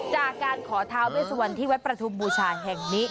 จากการขอท้าเวสวันที่วัดประทุมบูชาแห่งนี้